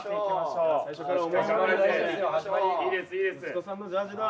息子さんのジャージだ。